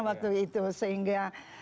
waktu itu sehingga